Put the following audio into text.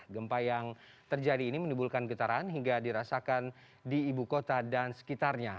gempa yang terjadi ini menimbulkan getaran hingga dirasakan di ibu kota dan sekitarnya